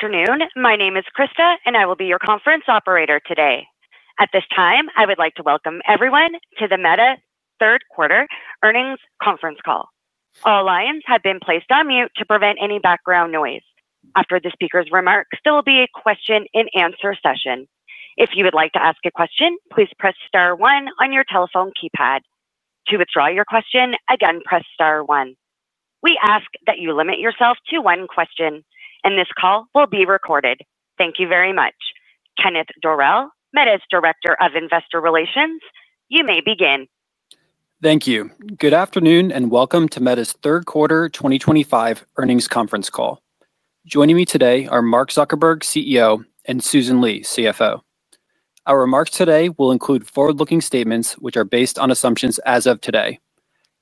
Good afternoon. My name is Krista, and I will be your conference operator today. At this time, I would like to welcome everyone to the Meta Third Quarter Earnings Conference Call. All lines have been placed on mute to prevent any background noise. After the speaker's remarks, there will be a question and answer session. If you would like to ask a question, please press star one on your telephone keypad. To withdraw your question, again press star one. We ask that you limit yourself to one question, and this call will be recorded. Thank you very much. Kenneth Dorell, Meta's Director of Investor Relations, you may begin. Thank you. Good afternoon and welcome to Meta's Third Quarter 2025 Earnings Conference Call. Joining me today are Mark Zuckerberg, CEO, and Susan Li, CFO. Our remarks today will include forward-looking statements, which are based on assumptions as of today.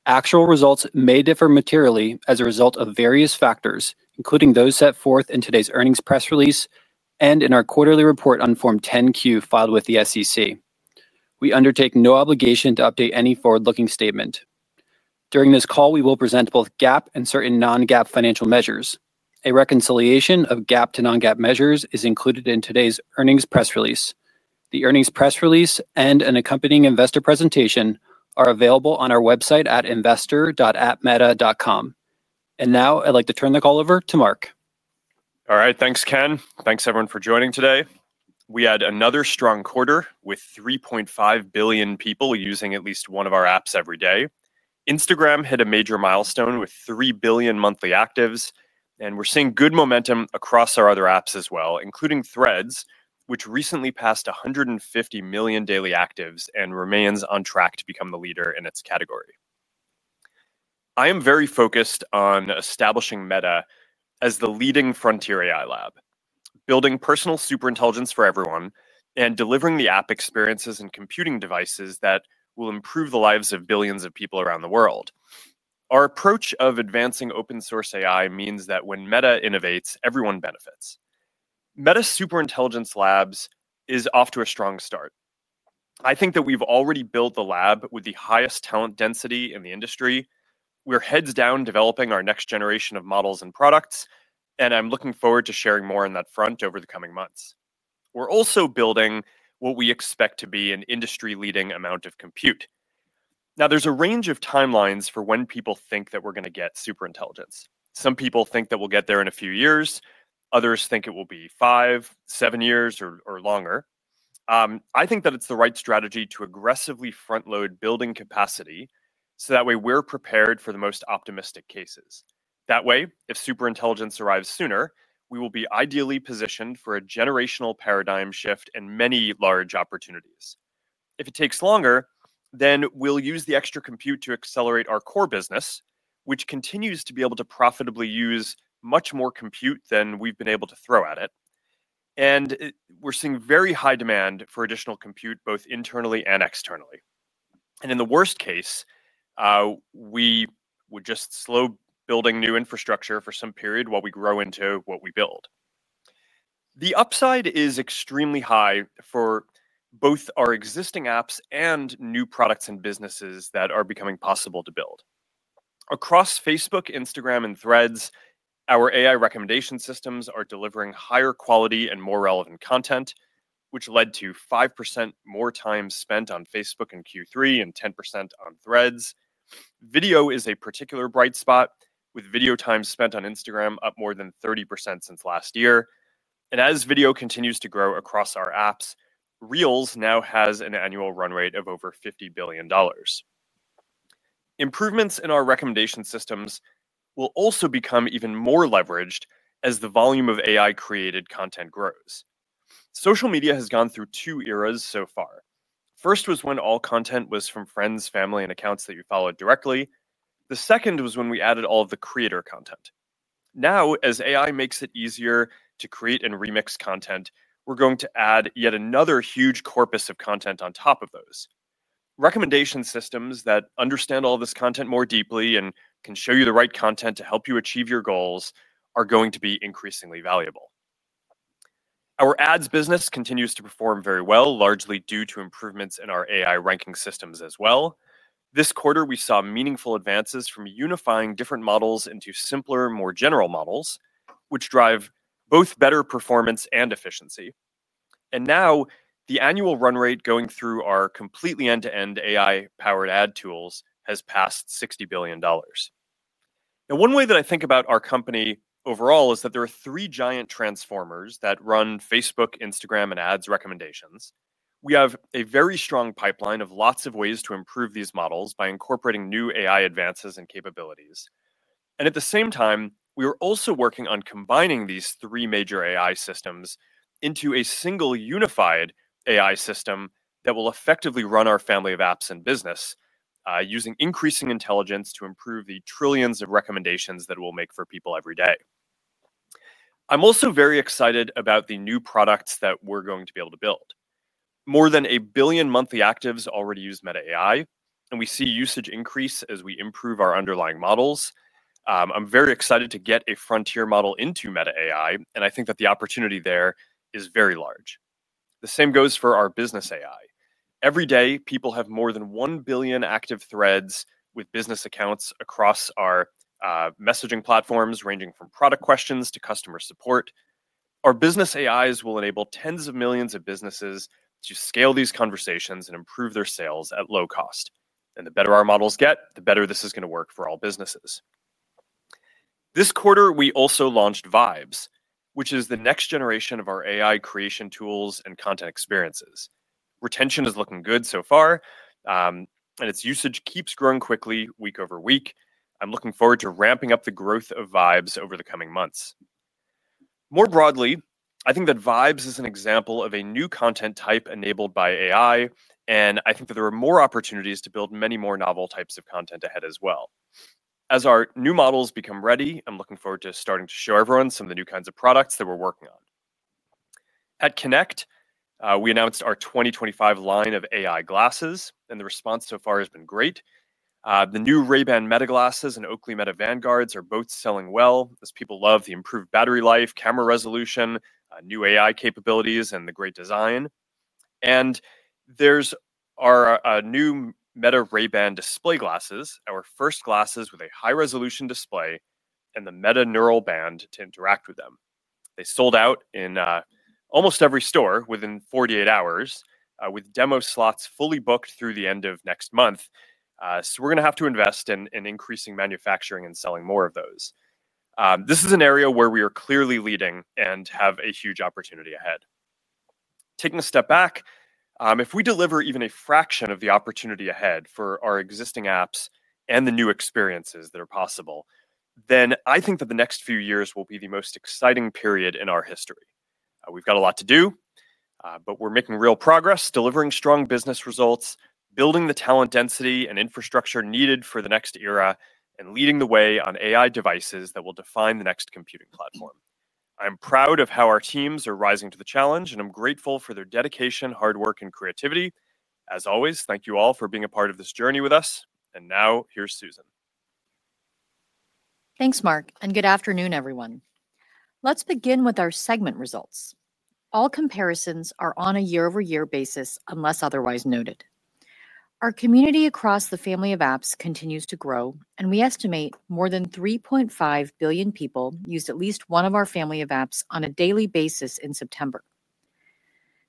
Actual results may differ materially as a result of various factors, including those set forth in today's earnings press release and in our quarterly report on Form 10-Q filed with the SEC. We undertake no obligation to update any forward-looking statement. During this call, we will present both GAAP and certain non-GAAP financial measures. A reconciliation of GAAP to non-GAAP measures is included in today's earnings press release. The earnings press release and an accompanying investor presentation are available on our website at investor.appmeta.com. I would now like to turn the call over to Mark. All right. Thanks, Ken. Thanks, everyone, for joining today. We had another strong quarter with 3.5 billion people using at least one of our apps every day. Instagram hit a major milestone with 3 billion monthly actives, and we're seeing good momentum across our other apps as well, including Threads, which recently passed 150 million daily actives and remains on track to become the leader in its category. I am very focused on establishing Meta as the leading frontier AI lab, building personal superintelligence for everyone, and delivering the app experiences and computing devices that will improve the lives of billions of people around the world. Our approach of advancing open-source AI means that when Meta innovates, everyone benefits. Meta's Superintelligence Lab is off to a strong start. I think that we've already built the lab with the highest talent density in the industry. We're heads down developing our next generation of models and products, and I'm looking forward to sharing more on that front over the coming months. We're also building what we expect to be an industry-leading amount of compute. Now, there's a range of timelines for when people think that we're going to get superintelligence. Some people think that we'll get there in a few years. Others think it will be five, seven years, or longer. I think that it's the right strategy to aggressively front-load building capacity so that way we're prepared for the most optimistic cases. That way, if superintelligence arrives sooner, we will be ideally positioned for a generational paradigm shift and many large opportunities. If it takes longer, then we'll use the extra compute to accelerate our core business, which continues to be able to profitably use much more compute than we've been able to throw at it. We're seeing very high demand for additional compute, both internally and externally. In the worst case, we would just slow building new infrastructure for some period while we grow into what we build. The upside is extremely high for both our existing apps and new products and businesses that are becoming possible to build. Across Facebook, Instagram, and Threads, our AI recommendation systems are delivering higher quality and more relevant content, which led to 5% more time spent on Facebook in Q3 and 10% on Threads. Video is a particular bright spot, with video time spent on Instagram up more than 30% since last year. As video continues to grow across our apps, Reels now has an annual run rate of over $50 billion. Improvements in our recommendation systems will also become even more leveraged as the volume of AI-created content grows. Social media has gone through two eras so far. The first was when all content was from friends, family, and accounts that you followed directly. The second was when we added all of the creator content. Now, as AI makes it easier to create and remix content, we're going to add yet another huge corpus of content on top of those. Recommendation systems that understand all this content more deeply and can show you the right content to help you achieve your goals are going to be increasingly valuable. Our ads business continues to perform very well, largely due to improvements in our AI ranking systems as well. This quarter, we saw meaningful advances from unifying different models into simpler, more general models, which drive both better performance and efficiency. Now, the annual run rate going through our completely end-to-end AI-powered ad tools has passed $60 billion. One way that I think about our company overall is that there are three giant transformers that run Facebook, Instagram, and ads recommendations. We have a very strong pipeline of lots of ways to improve these models by incorporating new AI advances and capabilities. At the same time, we are also working on combining these three major AI systems into a single unified AI system that will effectively run our family of apps and business, using increasing intelligence to improve the trillions of recommendations that we'll make for people every day. I'm also very excited about the new products that we're going to be able to build. More than a billion monthly actives already use Meta AI, and we see usage increase as we improve our underlying models. I'm very excited to get a frontier model into Meta AI, and I think that the opportunity there is very large. The same goes for our business AI. Every day, people have more than 1 billion active threads with business accounts across our messaging platforms, ranging from product questions to customer support. Our business AIs will enable tens of millions of businesses to scale these conversations and improve their sales at low cost. The better our models get, the better this is going to work for all businesses. This quarter, we also launched Vibes, which is the next generation of our AI creation tools and content experiences. Retention is looking good so far, and its usage keeps growing quickly week over week. I'm looking forward to ramping up the growth of Vibes over the coming months. More broadly, I think that Vibes is an example of a new content type enabled by AI, and I think that there are more opportunities to build many more novel types of content ahead as well. As our new models become ready, I'm looking forward to starting to show everyone some of the new kinds of products that we're working on. At Connect, we announced our 2025 line of AI glasses, and the response so far has been great. The new Ray-Ban Meta Smart Glasses and Oakley Meta Vanguards are both selling well, as people love the improved battery life, camera resolution, new AI capabilities, and the great design. There is our new Meta Ray-Ban display glasses, our first glasses with a high-resolution display and the Meta Neural Band to interact with them. They sold out in almost every store within 48 hours, with demo slots fully booked through the end of next month. We are going to have to invest in increasing manufacturing and selling more of those. This is an area where we are clearly leading and have a huge opportunity ahead. Taking a step back, if we deliver even a fraction of the opportunity ahead for our existing apps and the new experiences that are possible, then I think that the next few years will be the most exciting period in our history. We've got a lot to do, but we're making real progress, delivering strong business results, building the talent density and infrastructure needed for the next era, and leading the way on AI devices that will define the next computing platform. I'm proud of how our teams are rising to the challenge, and I'm grateful for their dedication, hard work, and creativity. As always, thank you all for being a part of this journey with us. Now, here's Susan. Thanks, Mark, and good afternoon, everyone. Let's begin with our segment results. All comparisons are on a year-over-year basis unless otherwise noted. Our community across the family of apps continues to grow, and we estimate more than 3.5 billion people used at least one of our family of apps on a daily basis in September.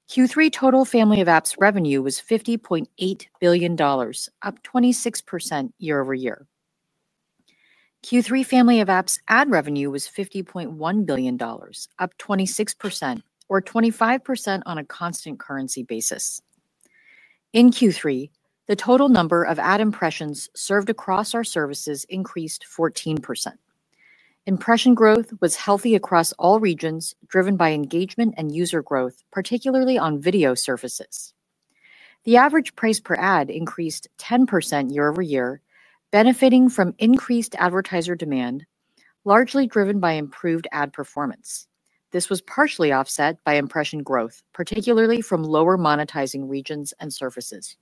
Q3 total family of apps revenue was $50.8 billion, up 26% year-over-year. Q3 family of apps ad revenue was $50.1 billion, up 26%, or 25% on a constant currency basis. In Q3, the total number of ad impressions served across our services increased 14%. Impression growth was healthy across all regions, driven by engagement and user growth, particularly on video services. The average price per ad increased 10% year-over-year, benefiting from increased advertiser demand, largely driven by improved ad performance. This was partially offset by impression growth, particularly from lower monetizing regions and services.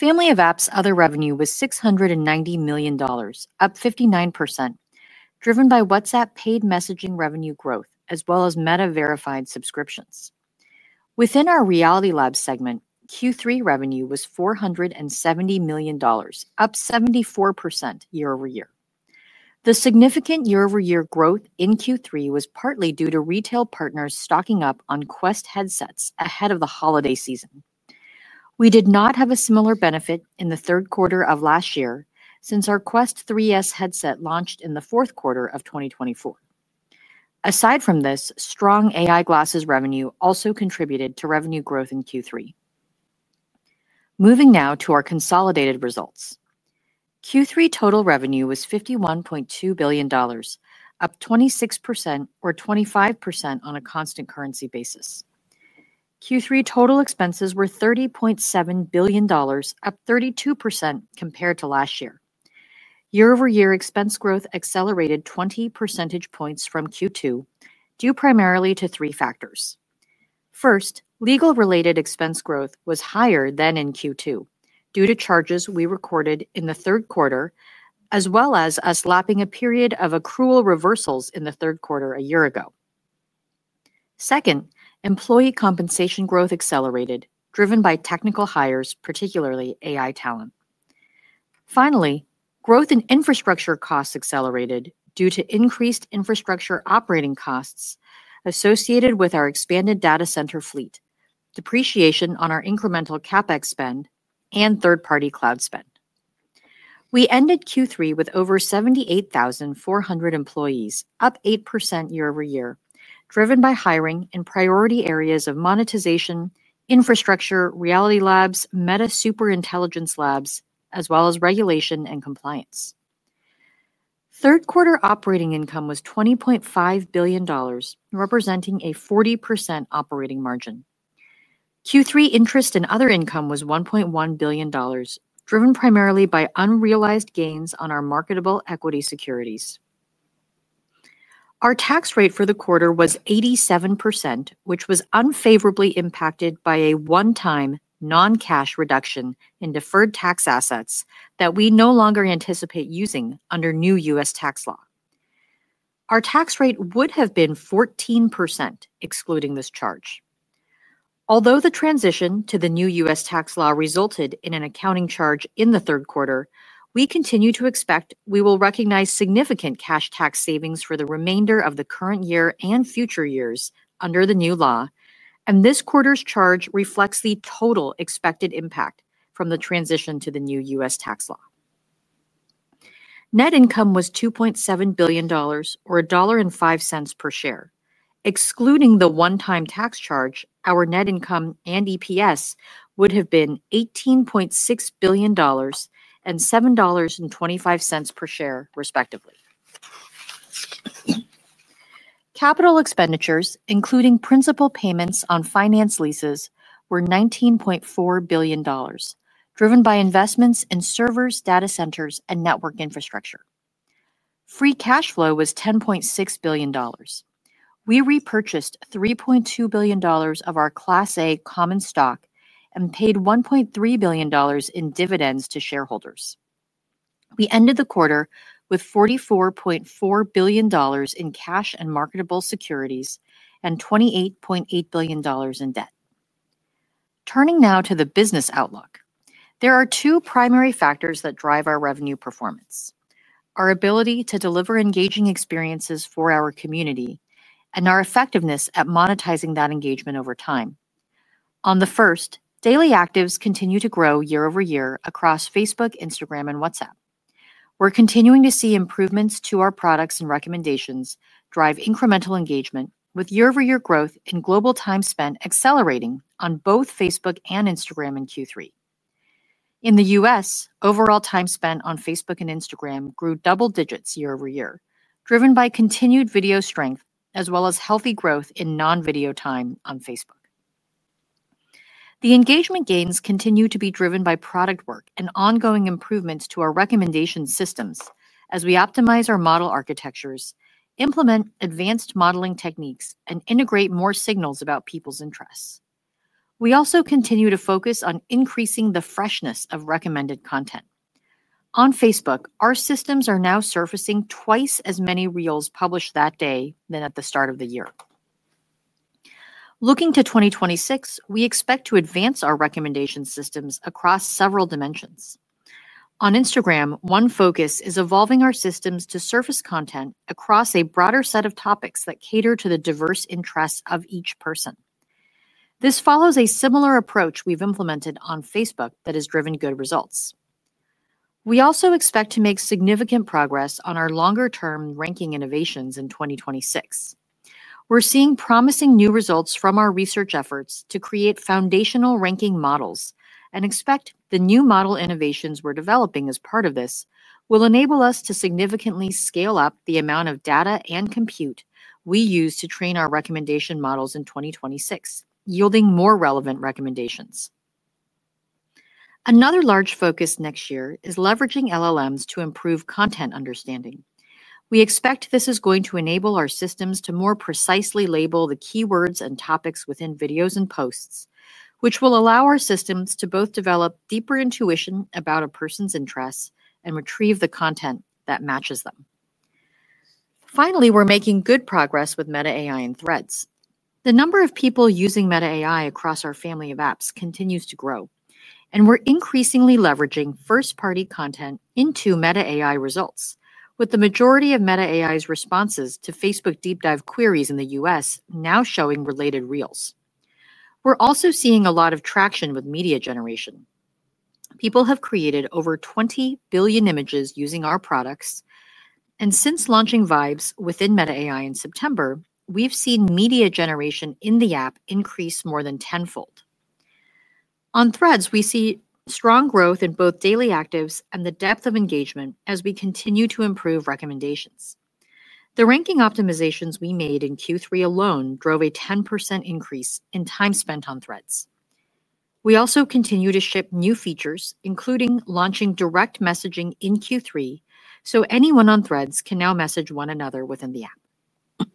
Family of apps other revenue was $690 million, up 59%, driven by WhatsApp paid messaging revenue growth, as well as Meta verified subscriptions. Within our reality lab segment, Q3 revenue was $470 million, up 74% year-over-year. The significant year-over-year growth in Q3 was partly due to retail partners stocking up on Quest headsets ahead of the holiday season. We did not have a similar benefit in the third quarter of last year since our Quest 3S headset launched in the fourth quarter of 2024. Aside from this, strong AI glasses revenue also contributed to revenue growth in Q3. Moving now to our consolidated results. Q3 total revenue was $51.2 billion, up 26% or 25% on a constant currency basis. Q3 total expenses were $30.7 billion, up 32% compared to last year. Year-over-year expense growth accelerated 20 percentage points from Q2, due primarily to three factors. First, legal-related expense growth was higher than in Q2 due to charges we recorded in the third quarter, as well as us lapping a period of accrual reversals in the third quarter a year ago. Second, employee compensation growth accelerated, driven by technical hires, particularly AI talent. Finally, growth in infrastructure costs accelerated due to increased infrastructure operating costs associated with our expanded data center fleet, depreciation on our incremental CapEx spend, and third-party cloud spend. We ended Q3 with over 78,400 employees, up 8% year-over-year, driven by hiring in priority areas of monetization, infrastructure, Reality Labs, Meta Superintelligence Labs, as well as regulation and compliance. Third quarter operating income was $20.5 billion, representing a 40% operating margin. Q3 interest and other income was $1.1 billion, driven primarily by unrealized gains on our marketable equity securities. Our tax rate for the quarter was 87%, which was unfavorably impacted by a one-time non-cash reduction in deferred tax assets that we no longer anticipate using under new U.S. tax law. Our tax rate would have been 14% excluding this charge. Although the transition to the new U.S. tax law resulted in an accounting charge in the third quarter, we continue to expect we will recognize significant cash tax savings for the remainder of the current year and future years under the new law, and this quarter's charge reflects the total expected impact from the transition to the new U.S. tax law. Net income was $2.7 billion, or $1.05 per share. Excluding the one-time tax charge, our net income and EPS would have been $18.6 billion and $7.25 per share, respectively. Capital expenditures, including principal payments on finance leases, were $19.4 billion, driven by investments in servers, data centers, and network infrastructure. Free cash flow was $10.6 billion. We repurchased $3.2 billion of our Class A common stock and paid $1.3 billion in dividends to shareholders. We ended the quarter with $44.4 billion in cash and marketable securities and $28.8 billion in debt. Turning now to the business outlook, there are two primary factors that drive our revenue performance: our ability to deliver engaging experiences for our community and our effectiveness at monetizing that engagement over time. On the first, daily actives continue to grow year-over-year across Facebook, Instagram, and WhatsApp. We're continuing to see improvements to our products and recommendations drive incremental engagement, with year-over-year growth in global time spent accelerating on both Facebook and Instagram in Q3. In the U.S., overall time spent on Facebook and Instagram grew double digits year-over-year, driven by continued video strength as well as healthy growth in non-video time on Facebook. The engagement gains continue to be driven by product work and ongoing improvements to our recommendation systems as we optimize our model architectures, implement advanced modeling techniques, and integrate more signals about people's interests. We also continue to focus on increasing the freshness of recommended content. On Facebook, our systems are now surfacing twice as many Reels published that day than at the start of the year. Looking to 2026, we expect to advance our recommendation systems across several dimensions. On Instagram, one focus is evolving our systems to surface content across a broader set of topics that cater to the diverse interests of each person. This follows a similar approach we've implemented on Facebook that has driven good results. We also expect to make significant progress on our longer-term ranking innovations in 2026. We're seeing promising new results from our research efforts to create foundational ranking models and expect the new model innovations we're developing as part of this will enable us to significantly scale up the amount of data and compute we use to train our recommendation models in 2026, yielding more relevant recommendations. Another large focus next year is leveraging LLMs to improve content understanding. We expect this is going to enable our systems to more precisely label the keywords and topics within videos and posts, which will allow our systems to both develop deeper intuition about a person's interests and retrieve the content that matches them. Finally, we're making good progress with Meta AI and Threads. The number of people using Meta AI across our family of apps continues to grow, and we're increasingly leveraging first-party content into Meta AI results, with the majority of Meta AI's responses to Facebook deep dive queries in the U.S. now showing related Reels. We're also seeing a lot of traction with media generation. People have created over 20 billion images using our products, and since launching Vibes within Meta AI in September, we've seen media generation in the app increase more than tenfold. On Threads, we see strong growth in both daily actives and the depth of engagement as we continue to improve recommendations. The ranking optimizations we made in Q3 alone drove a 10% increase in time spent on Threads. We also continue to ship new features, including launching direct messaging in Q3, so anyone on Threads can now message one another within the app.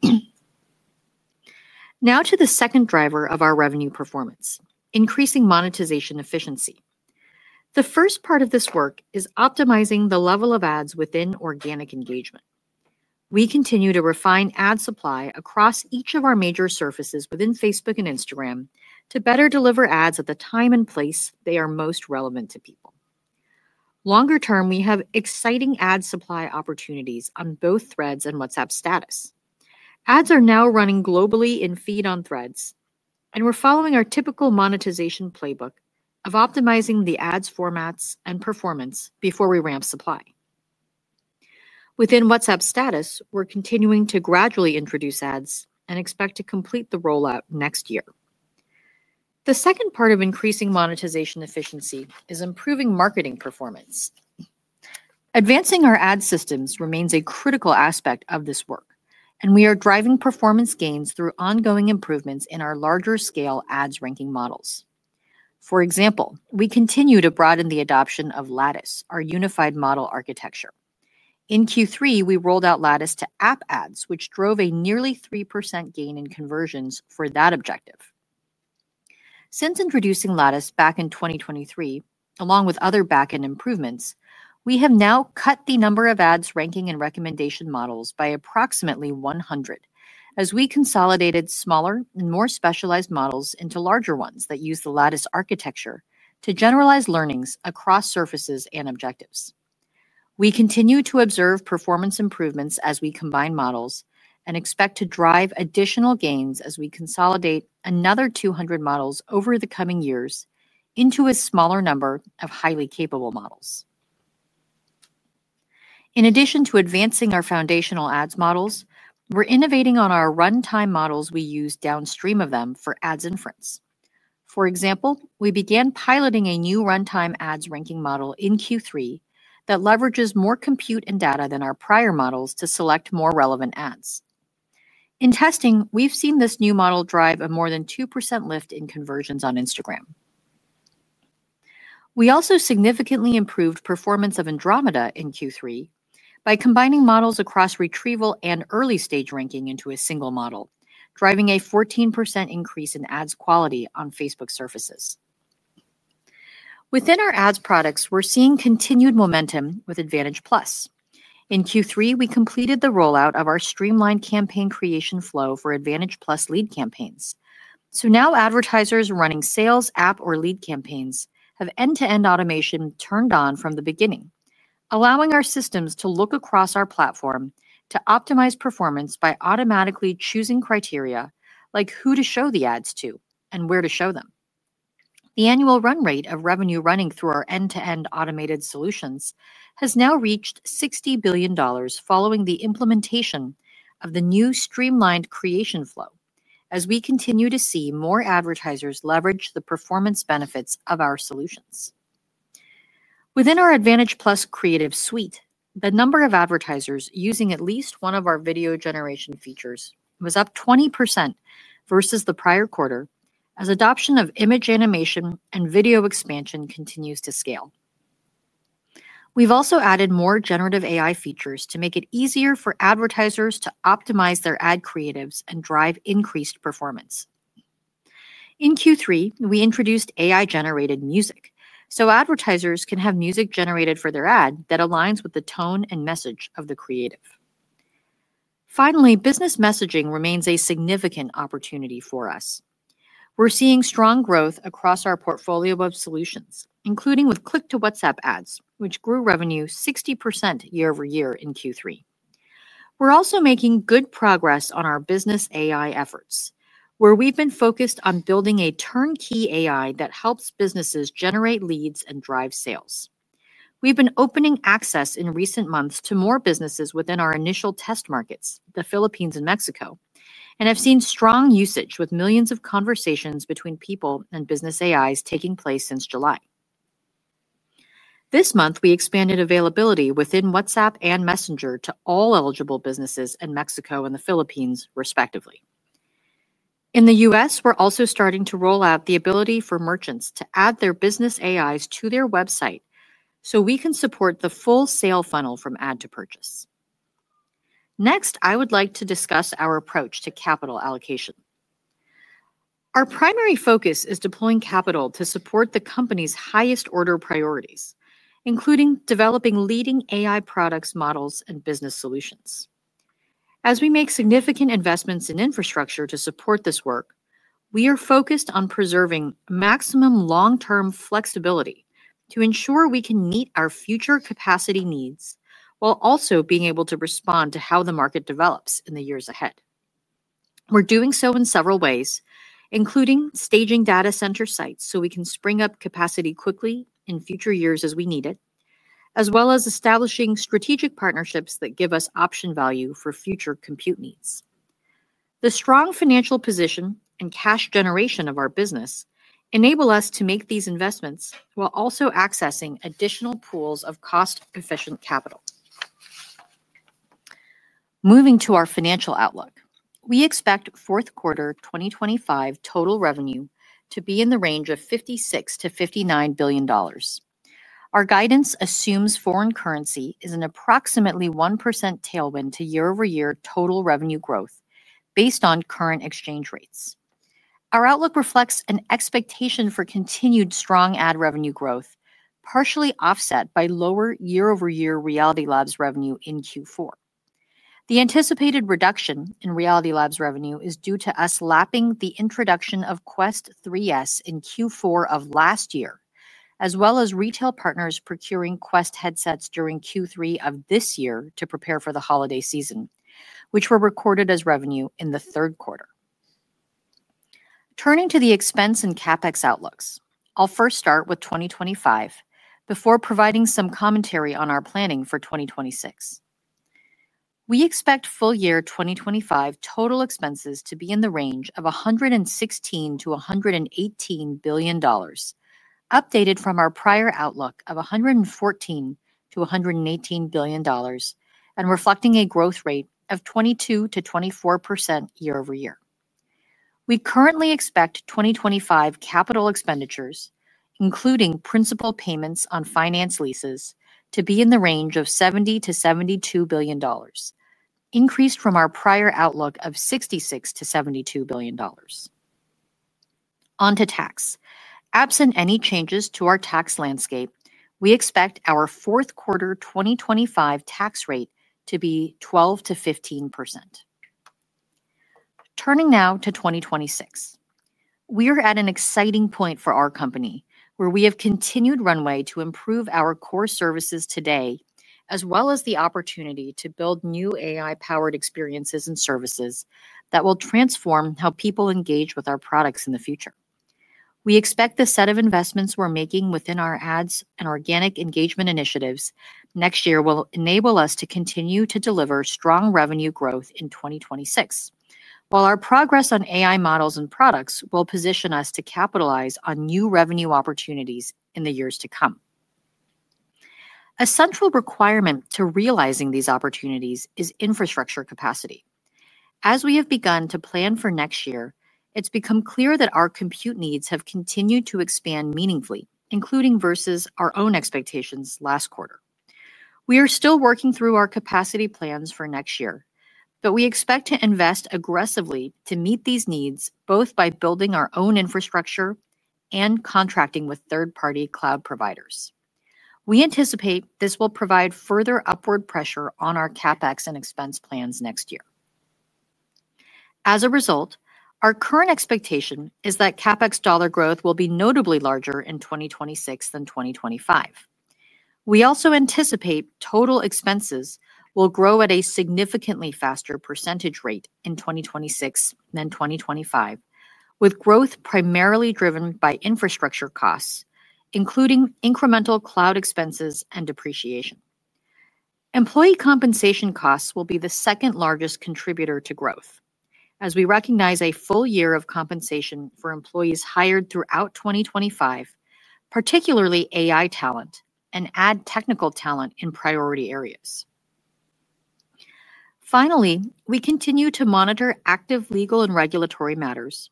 Now to the second driver of our revenue performance: increasing monetization efficiency. The first part of this work is optimizing the level of ads within organic engagement. We continue to refine ad supply across each of our major services within Facebook and Instagram to better deliver ads at the time and place they are most relevant to people. Longer term, we have exciting ad supply opportunities on both Threads and WhatsApp status. Ads are now running globally in feed on Threads, and we're following our typical monetization playbook of optimizing the ads formats and performance before we ramp supply. Within WhatsApp status, we're continuing to gradually introduce ads and expect to complete the rollout next year. The second part of increasing monetization efficiency is improving marketing performance. Advancing our ad systems remains a critical aspect of this work, and we are driving performance gains through ongoing improvements in our larger-scale ads ranking models. For example, we continue to broaden the adoption of Lattice, our unified model architecture. In Q3, we rolled out Lattice to app ads, which drove a nearly 3% gain in conversions for that objective. Since introducing Lattice back in 2023, along with other backend improvements, we have now cut the number of ads ranking and recommendation models by approximately 100, as we consolidated smaller and more specialized models into larger ones that use the Lattice architecture to generalize learnings across surfaces and objectives. We continue to observe performance improvements as we combine models and expect to drive additional gains as we consolidate another 200 models over the coming years into a smaller number of highly capable models. In addition to advancing our foundational ads models, we're innovating on our runtime models we use downstream of them for ads inference. For example, we began piloting a new runtime ads ranking model in Q3 that leverages more compute and data than our prior models to select more relevant ads. In testing, we've seen this new model drive a more than 2% lift in conversions on Instagram. We also significantly improved performance of Andromeda in Q3 by combining models across retrieval and early-stage ranking into a single model, driving a 14% increase in ads quality on Facebook services. Within our ads products, we're seeing continued momentum with Advantage+. In Q3, we completed the rollout of our streamlined campaign creation flow for Advantage+ lead campaigns. Now advertisers running sales app or lead campaigns have end-to-end automation turned on from the beginning, allowing our systems to look across our platform to optimize performance by automatically choosing criteria like who to show the ads to and where to show them. The annual run rate of revenue running through our end-to-end automated solutions has now reached $60 billion following the implementation of the new streamlined creation flow, as we continue to see more advertisers leverage the performance benefits of our solutions. Within our Advantage+ Creative Suite, the number of advertisers using at least one of our video generation features was up 20% versus the prior quarter, as adoption of image animation and video expansion continues to scale. We've also added more generative AI features to make it easier for advertisers to optimize their ad creatives and drive increased performance. In Q3, we introduced AI-generated music so advertisers can have music generated for their ad that aligns with the tone and message of the creative. Finally, business messaging remains a significant opportunity for us. We're seeing strong growth across our portfolio of solutions, including with click-to-WhatsApp ads, which grew revenue 60% year-over-year in Q3. We're also making good progress on our business AI efforts, where we've been focused on building a turnkey AI that helps businesses generate leads and drive sales. We've been opening access in recent months to more businesses within our initial test markets, the Philippines and Mexico, and have seen strong usage with millions of conversations between people and business AIs taking place since July. This month, we expanded availability within WhatsApp and Messenger to all eligible businesses in Mexico and the Philippines, respectively. In the U.S., we're also starting to roll out the ability for merchants to add their business AIs to their website so we can support the full sale funnel from ad to purchase. Next, I would like to discuss our approach to capital allocation. Our primary focus is deploying capital to support the company's highest order priorities, including developing leading AI products, models, and business solutions. As we make significant investments in infrastructure to support this work, we are focused on preserving maximum long-term flexibility to ensure we can meet our future capacity needs while also being able to respond to how the market develops in the years ahead. We're doing so in several ways, including staging data center sites so we can spring up capacity quickly in future years as we need it, as well as establishing strategic partnerships that give us option value for future compute needs. The strong financial position and cash generation of our business enable us to make these investments while also accessing additional pools of cost-efficient capital. Moving to our financial outlook, we expect Q4 2025 total revenue to be in the range of $56 billion-$59 billion. Our guidance assumes foreign currency is an approximately 1% tailwind to year-over-year total revenue growth based on current exchange rates. Our outlook reflects an expectation for continued strong ad revenue growth, partially offset by lower year-over-year Reality Labs revenue in Q4. The anticipated reduction in Reality Labs revenue is due to us lapping the introduction of Quest 3S in Q4 of last year, as well as retail partners procuring Quest headsets during Q3 of this year to prepare for the holiday season, which were recorded as revenue in the third quarter. Turning to the expense and CapEx outlooks, I'll first start with 2025 before providing some commentary on our planning for 2026. We expect full-year 2025 total expenses to be in the range of $116 billion-$118 billion, updated from our prior outlook of $114 billion-$118 billion and reflecting a growth rate of 22%-24% year-over-year. We currently expect 2025 capital expenditures, including principal payments on finance leases, to be in the range of $70 billion-$72 billion, increased from our prior outlook of $66 billion-$72 billion. On to tax. Absent any changes to our tax landscape, we expect our Q4 2025 tax rate to be 12%-15%. Turning now to 2026, we are at an exciting point for our company, where we have continued runway to improve our core services today, as well as the opportunity to build new AI-powered experiences and services that will transform how people engage with our products in the future. We expect the set of investments we're making within our ads and organic engagement initiatives next year will enable us to continue to deliver strong revenue growth in 2026, while our progress on AI models and products will position us to capitalize on new revenue opportunities in the years to come. A central requirement to realizing these opportunities is infrastructure capacity. As we have begun to plan for next year, it's become clear that our compute needs have continued to expand meaningfully, including versus our own expectations last quarter. We are still working through our capacity plans for next year, but we expect to invest aggressively to meet these needs, both by building our own infrastructure and contracting with third-party cloud providers. We anticipate this will provide further upward pressure on our CapEx and expense plans next year. As a result, our current expectation is that CapEx dollar growth will be notably larger in 2026 than 2025. We also anticipate total expenses will grow at a significantly faster percentage rate in 2026 than 2025, with growth primarily driven by infrastructure costs, including incremental cloud expenses and depreciation. Employee compensation costs will be the second largest contributor to growth, as we recognize a full year of compensation for employees hired throughout 2025, particularly AI talent and ad technical talent in priority areas. Finally, we continue to monitor active legal and regulatory matters,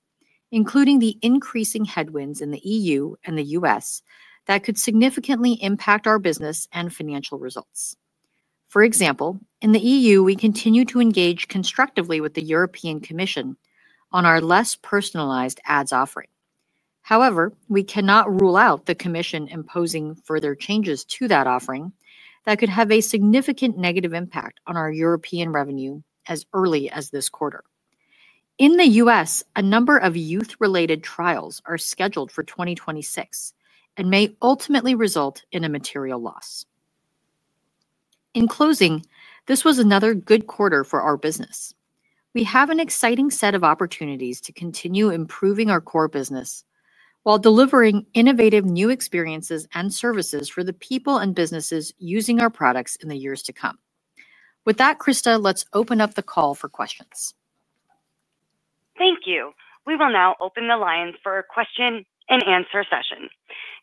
including the increasing headwinds in the EU and the U.S. that could significantly impact our business and financial results. For example, in the EU, we continue to engage constructively with the European Commission on our less personalized ads offering. However, we cannot rule out the Commission imposing further changes to that offering that could have a significant negative impact on our European revenue as early as this quarter. In the U.S., a number of youth-related trials are scheduled for 2026 and may ultimately result in a material loss. In closing, this was another good quarter for our business. We have an exciting set of opportunities to continue improving our core business while delivering innovative new experiences and services for the people and businesses using our products in the years to come. With that, Krista, let's open up the call for questions. Thank you. We will now open the lines for a question and answer session.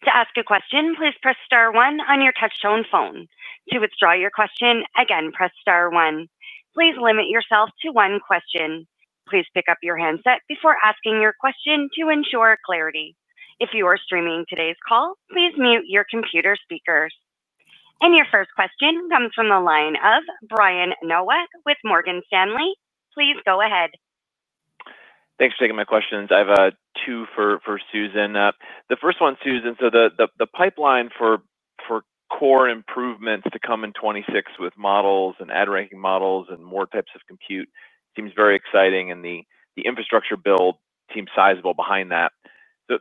To ask a question, please press star one on your touchtone phone. To withdraw your question, again, press star one. Please limit yourself to one question. Please pick up your handset before asking your question to ensure clarity. If you are streaming today's call, please mute your computer speakers. Your first question comes from the line of Brian Nowak with Morgan Stanley. Please go ahead. Thanks for taking my questions. I have two for Susan. The first one, Susan, the pipeline for core improvements to come in 2026 with models and ad ranking models and more types of compute seems very exciting, and the infrastructure build seems sizable behind that.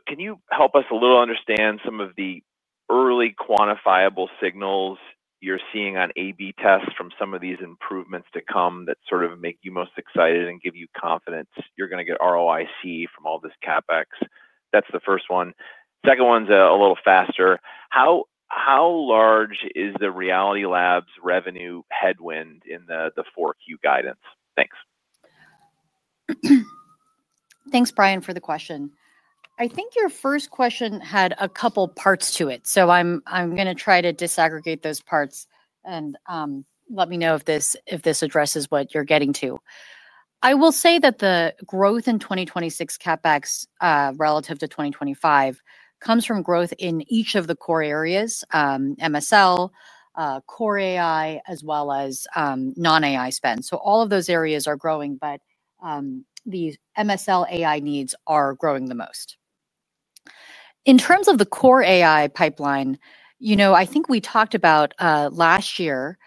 Can you help us a little understand some of the early quantifiable signals you're seeing on A/B tests from some of these improvements to come that make you most excited and give you confidence you're going to get ROIC from all this CapEx? That's the first one. The second one's a little faster. How large is the Reality Labs revenue headwind in the 4Q guidance? Thanks. Thanks, Brian, for the question. I think your first question had a couple parts to it, so I'm going to try to disaggregate those parts and let me know if this addresses what you're getting to. I will say that the growth in 2026 CapEx relative to 2025 comes from growth in each of the core areas: MSL, core AI, as well as non-AI spend. All of those areas are growing, but the MSL AI needs are growing the most. In terms of the core AI pipeline, I think we talked about last year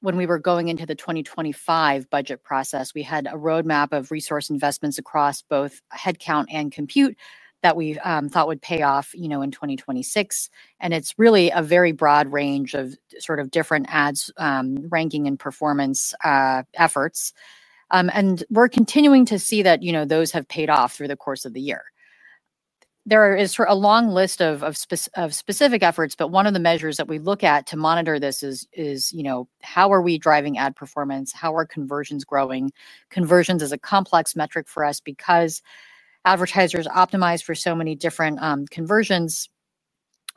when we were going into the 2025 budget process, we had a roadmap of resource investments across both headcount and compute that we thought would pay off in 2026. It's really a very broad range of different ads ranking and performance efforts. We're continuing to see that those have paid off through the course of the year. There is a long list of specific efforts, but one of the measures that we look at to monitor this is how are we driving ad performance? How are conversions growing? Conversions is a complex metric for us because advertisers optimize for so many different conversions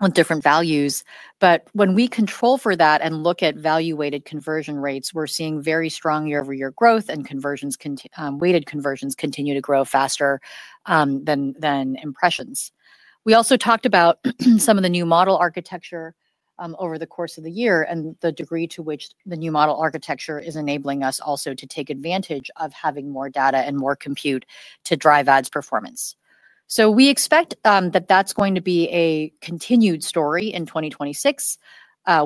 on different values. When we control for that and look at value-weighted conversion rates, we're seeing very strong year-over-year growth, and weighted conversions continue to grow faster than impressions. We also talked about some of the new model architecture over the course of the year and the degree to which the new model architecture is enabling us also to take advantage of having more data and more compute to drive ads performance. We expect that that's going to be a continued story in 2026.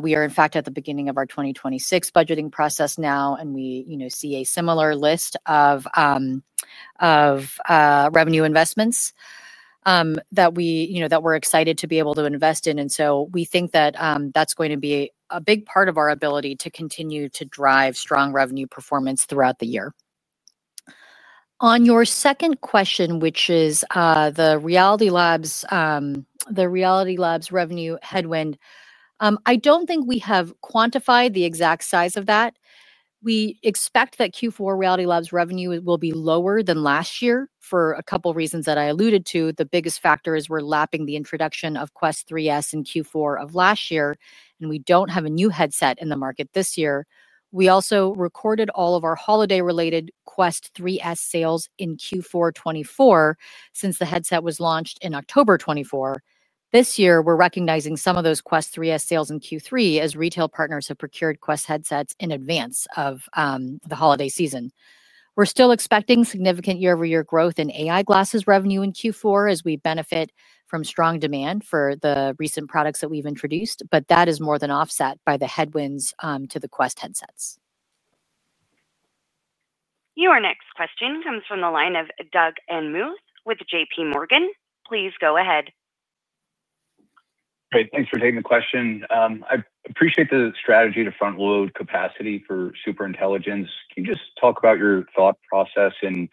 We are, in fact, at the beginning of our 2026 budgeting process now, and we see a similar list of revenue investments that we're excited to be able to invest in. We think that that's going to be a big part of our ability to continue to drive strong revenue performance throughout the year. On your second question, which is the Reality Labs revenue headwind, I don't think we have quantified the exact size of that. We expect that Q4 Reality Labs revenue will be lower than last year for a couple of reasons that I alluded to. The biggest factor is we're lapping the introduction of Quest 3S in Q4 of last year, and we don't have a new headset in the market this year. We also recorded all of our holiday-related Quest 3S sales in Q4 2024 since the headset was launched in October 2024. This year, we're recognizing some of those Quest 3S sales in Q3 as retail partners have procured Quest headsets in advance of the holiday season. We're still expecting significant year-over-year growth in AI glasses revenue in Q4 as we benefit from strong demand for the recent products that we've introduced, but that is more than offset by the headwinds to the Quest headsets. Your next question comes from the line of Doug Anmuth with JPMorgan. Please go ahead. Great. Thanks for taking the question. I appreciate the strategy to front-load capacity for superintelligence. Can you just talk about your thought process in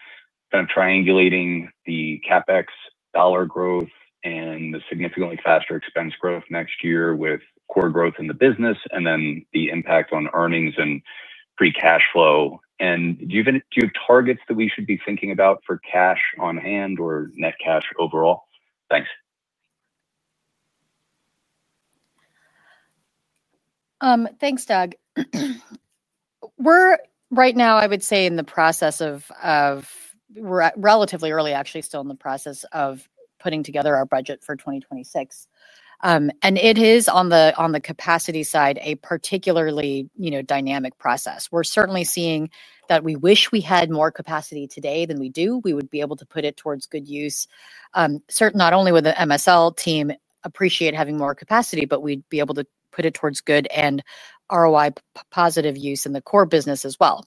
kind of triangulating the CapEx dollar growth and the significantly faster expense growth next year with core growth in the business, then the impact on earnings and free cash flow? Do you have targets that we should be thinking about for cash on hand or net cash overall? Thanks. Thanks, Doug. We're right now, I would say, in the process of—we're relatively early, actually still in the process of putting together our budget for 2026. It is, on the capacity side, a particularly dynamic process. We're certainly seeing that we wish we had more capacity today than we do. We would be able to put it towards good use. Certainly, not only would the MSL team appreciate having more capacity, but we'd be able to put it towards good and ROI positive use in the core business as well.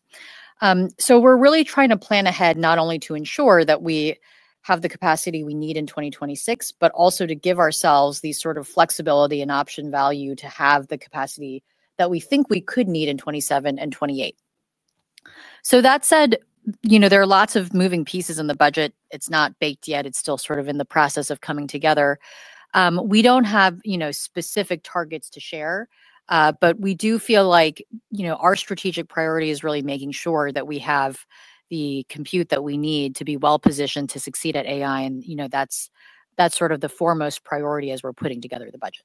We're really trying to plan ahead not only to ensure that we have the capacity we need in 2026, but also to give ourselves the sort of flexibility and option value to have the capacity that we think we could need in 2027 and 2028. That said, there are lots of moving pieces in the budget. It's not baked yet. It's still sort of in the process of coming together. We don't have specific targets to share, but we do feel like our strategic priority is really making sure that we have the compute that we need to be well positioned to succeed at AI. That's sort of the foremost priority as we're putting together the budget.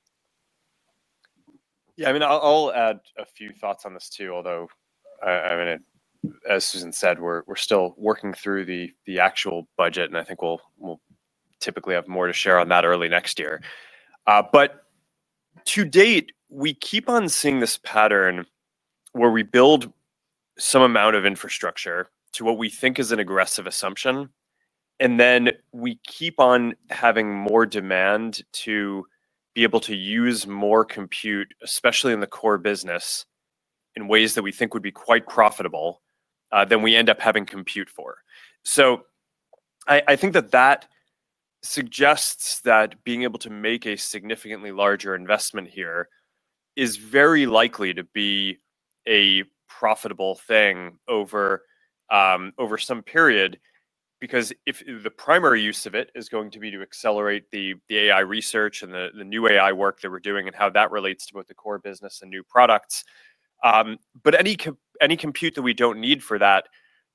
Yeah, I mean, I'll add a few thoughts on this too, although, as Susan said, we're still working through the actual budget, and I think we'll typically have more to share on that early next year. To date, we keep on seeing this pattern where we build some amount of infrastructure to what we think is an aggressive assumption, and then we keep on having more demand to be able to use more compute, especially in the core business in ways that we think would be quite profitable than we end up having compute for. I think that suggests that being able to make a significantly larger investment here is very likely to be a profitable thing over some period because the primary use of it is going to be to accelerate the AI research and the new AI work that we're doing and how that relates to both the core business and new products. Any compute that we don't need for that,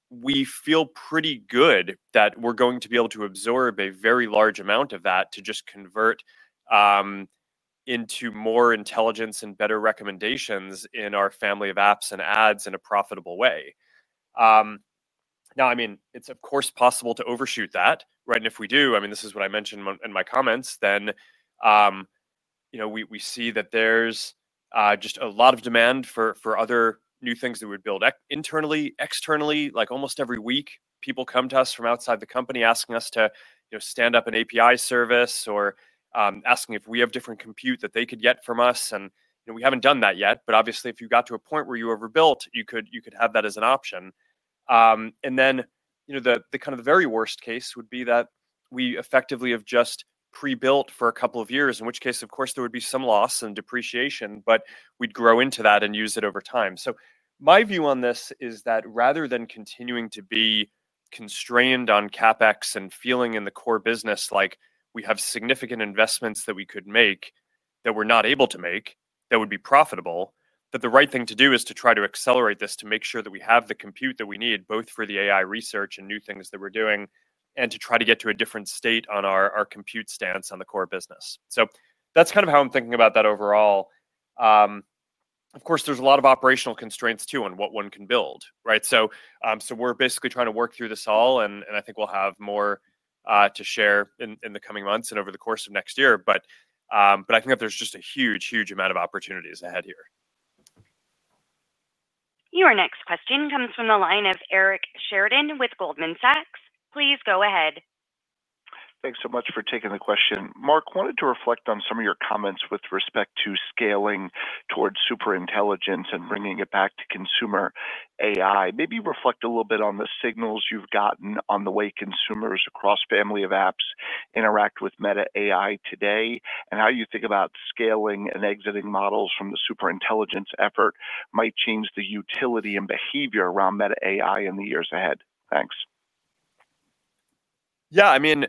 we feel pretty good that we're going to be able to absorb a very large amount of that to just convert into more intelligence and better recommendations in our family of apps and ads in a profitable way. Of course, it's possible to overshoot that, right? If we do, this is what I mentioned in my comments, then we see that there's just a lot of demand for other new things that we would build internally, externally. Almost every week, people come to us from outside the company asking us to stand up an API service or asking if we have different compute that they could get from us. We haven't done that yet, but obviously, if you got to a point where you overbuilt, you could have that as an option. The very worst case would be that we effectively have just pre-built for a couple of years, in which case, of course, there would be some loss and depreciation, but we'd grow into that and use it over time. My view on this is that rather than continuing to be constrained on CapEx and feeling in the core business like we have significant investments that we could make that we're not able to make that would be profitable, the right thing to do is to try to accelerate this to make sure that we have the compute that we need both for the AI research and new things that we're doing and to try to get to a different state on our compute stance on the core business. That's kind of how I'm thinking about that overall. Of course, there's a lot of operational constraints too on what one can build, right? We are basically trying to work through this all, and I think we'll have more to share in the coming months and over the course of next year. I think that there's just a huge, huge amount of opportunities ahead here. Your next question comes from the line of Eric Sheridan with Goldman Sachs. Please go ahead. Thanks so much for taking the question. Mark, I wanted to reflect on some of your comments with respect to scaling towards superintelligence and bringing it back to consumer AI. Maybe reflect a little bit on the signals you've gotten on the way consumers across family of apps interact with Meta AI today and how you think about scaling and exiting models from the superintelligence effort might change the utility and behavior around Meta AI in the years ahead. Thanks. Yeah, I mean,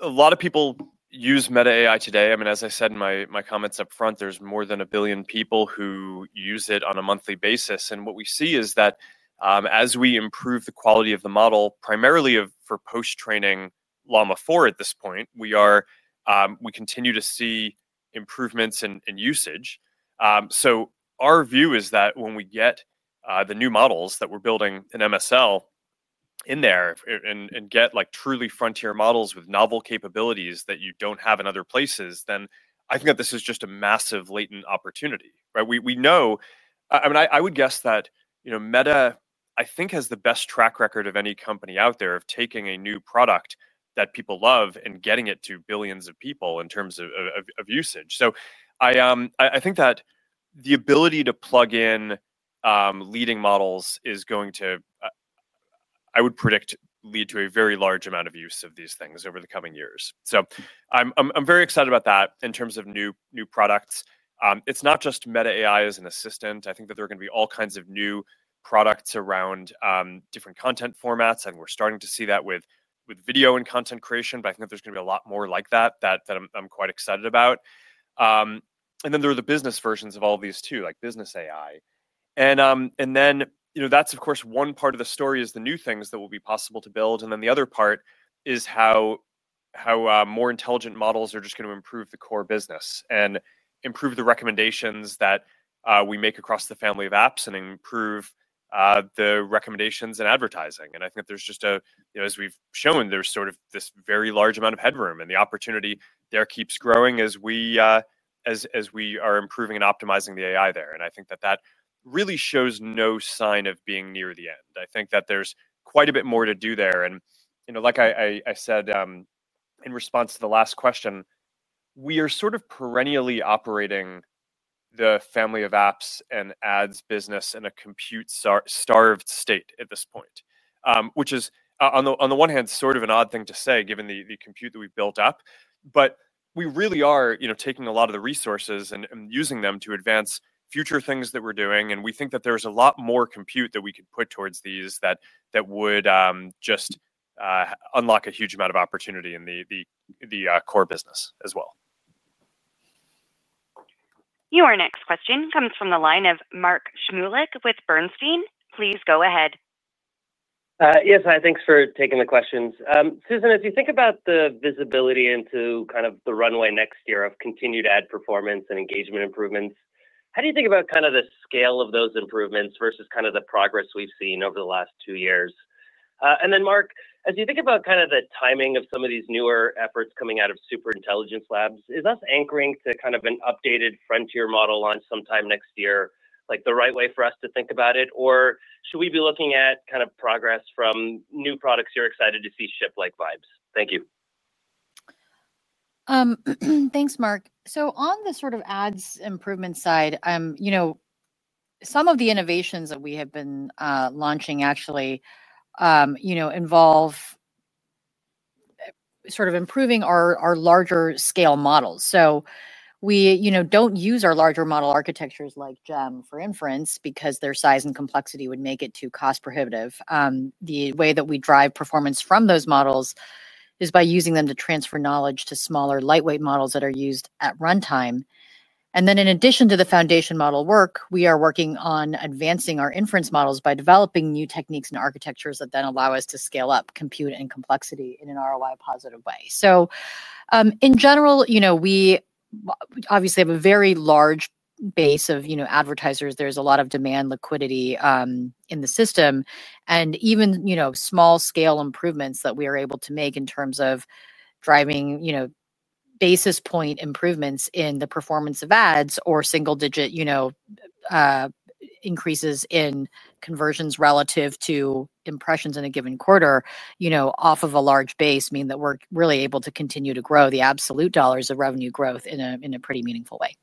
a lot of people use Meta AI today. As I said in my comments up front, there's more than a billion people who use it on a monthly basis. What we see is that as we improve the quality of the model, primarily for post-training Llama 4 at this point, we continue to see improvements in usage. Our view is that when we get the new models that we're building in MSL in there and get truly frontier models with novel capabilities that you don't have in other places, then I think that this is just a massive latent opportunity. We know, I mean, I would guess that Meta I think has the best track record of any company out there of taking a new product that people love and getting it to billions of people in terms of usage. I think that the ability to plug in leading models is going to, I would predict, lead to a very large amount of use of these things over the coming years. I'm very excited about that in terms of new products. It's not just Meta AI as an assistant. I think that there are going to be all kinds of new products around different content formats, and we're starting to see that with video and content creation. I think there's going to be a lot more like that that I'm quite excited about. There are the business versions of all of these too, like Business AI. Of course, one part of the story is the new things that will be possible to build. The other part is how more intelligent models are just going to improve the core business and improve the recommendations that we make across the family of apps and improve the recommendations and advertising. I think that there's just a, as we've shown, there's sort of this very large amount of headroom, and the opportunity there keeps growing as we are improving and optimizing the AI there. I think that really shows no sign of being near the end. I think that there's quite a bit more to do there. Like I said in response to the last question, we are sort of perennially operating the family of apps and ads business in a compute-starved state at this point, which is, on the one hand, sort of an odd thing to say given the compute that we've built up. We really are taking a lot of the resources and using them to advance future things that we're doing. We think that there's a lot more compute that we could put towards these that would just unlock a huge amount of opportunity in the core business as well. Your next question comes from the line of Mark Shmulik with Bernstein. Please go ahead. Yes, hi. Thanks for taking the questions. Susan, as you think about the visibility into kind of the runway next year of continued ad performance and engagement improvements, how do you think about kind of the scale of those improvements versus kind of the progress we've seen over the last two years? Mark, as you think about kind of the timing of some of these newer efforts coming out of Superintelligence Labs, is us anchoring to kind of an updated frontier model launch sometime next year like the right way for us to think about it? Should we be looking at kind of progress from new products you're excited to see ship like Vibes? Thank you. Thanks, Mark. On the sort of ads improvement side, some of the innovations that we have been launching actually involve improving our larger scale models. We don't use our larger model architectures like GEM for inference because their size and complexity would make it too cost-prohibitive. The way that we drive performance from those models is by using them to transfer knowledge to smaller, lightweight models that are used at runtime. In addition to the foundation model work, we are working on advancing our inference models by developing new techniques and architectures that then allow us to scale up compute and complexity in an ROI-positive way. In general, we obviously have a very large base of advertisers. There's a lot of demand liquidity in the system, and even small scale improvements that we are able to make in terms of driving basis point improvements in the performance of ads or single-digit increases in conversions relative to impressions in a given quarter off of a large base mean that we're really able to continue to grow the absolute dollars of revenue growth in a pretty meaningful way.